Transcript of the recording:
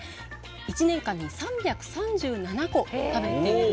１年間に３３７個食べている。